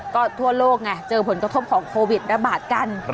ก็ทั่วโลกไงเจอผลกระทบของโควิดระบาดกัน